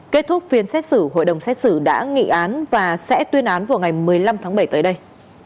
kết thúc phiên xét xử hội đồng xét xử đã nghị án và sẽ tuyên án vào ngày một mươi năm tháng bảy tới đây